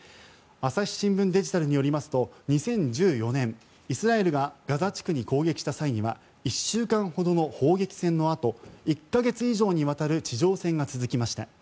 朝日新聞デジタルによりますと２０１４年イスラエルがガザ地区に攻撃した際には１週間ほどの砲撃戦のあと１か月以上にわたる地上戦が続きました。